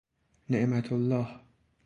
نعمت الله